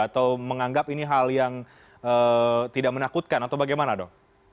atau menganggap ini hal yang tidak menakutkan atau bagaimana dok